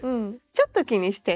ちょっと気にして。